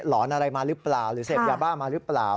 อนอะไรมาหรือเปล่าหรือเสพยาบ้ามาหรือเปล่า